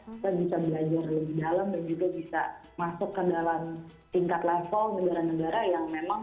kita bisa belajar lebih dalam dan juga bisa masuk ke dalam tingkat level negara negara yang memang